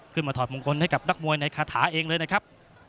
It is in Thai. ถอดมงคลให้กับนักมวยในคาถาเองเลยนะครับ